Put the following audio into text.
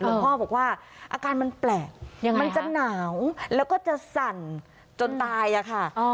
คุณพ่อบอกว่าอาการมันแปลกมันจะหนาวแล้วก็จะสั่นจนตายอะค่ะ